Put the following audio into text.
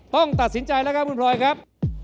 ต้องตัดสินใจแล้วครับคุณพลอยครับ